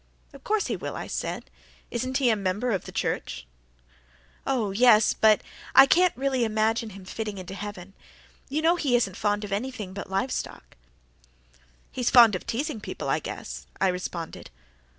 "Of course he will," I said. "Isn't he a member of the church?" "Oh, yes, but I can't imagine him fitting into heaven. You know he isn't really fond of anything but live stock." "He's fond of teasing people, I guess," I responded.